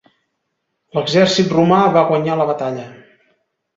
L'exèrcit romà va guanyar la batalla.